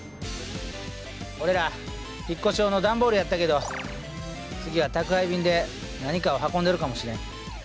俺ら引っ越し用のダンボールやったけど次は宅配便で何かを運んでるかもしれん。